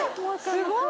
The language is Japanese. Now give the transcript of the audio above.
すごーい。